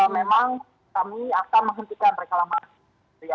memang kami akan menghentikan reklamasi